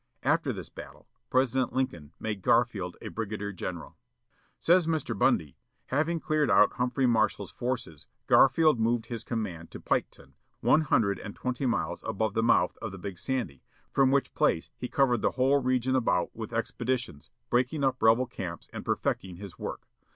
After this battle, President Lincoln made Garfield a brigadier general. Says Mr. Bundy: "Having cleared out Humphrey Marshall's forces, Garfield moved his command to Piketon, one hundred and twenty miles above the mouth of the Big Sandy, from which place he covered the whole region about with expeditions, breaking up rebel camps and perfecting his work.